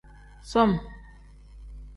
Som.